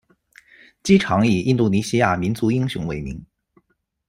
机场以印度尼西亚民族英雄为名。